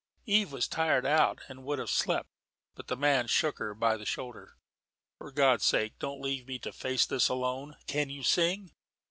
Eve was tired out and would have slept, but the man shook her by the shoulder. "For God's sake don't leave me to face this alone. Can you sing?"